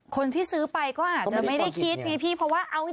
คนที่ซื้อไปก็อาจจะไม่ได้คิดไงพี่เพราะว่าเอา